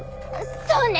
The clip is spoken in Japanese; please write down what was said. そうね！